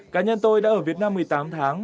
cá nhân tôi đã ở việt nam một mươi tám tháng